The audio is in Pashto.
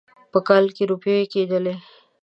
په کال کې روپۍ کېدلې.